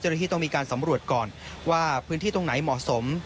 เจ้าหน้าที่ต้องมีการสำรวจก่อนว่าพื้นที่ตรงไหนเหมาะสม